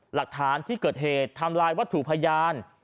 หลักฐานที่เกิดเหตุทำลายวัตถุพยาน